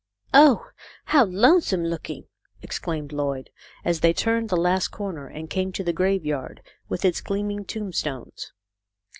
" Oh, how lonesome looking !" exclaimed Lloyd, as they turned the last corner and came to the graveyard, with its gleaming tombstones.